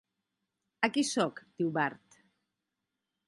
"Aquí soc", diu Bart.